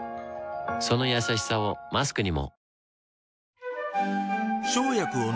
そのやさしさをマスクにも